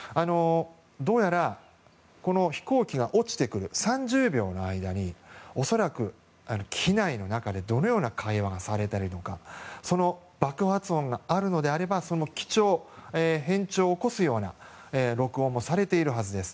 どうやら飛行機が落ちてくる３０秒の間に恐らく、機内でどのような会話がされているのかその爆発音があるのであれば変調を起こすような録音もされているはずです。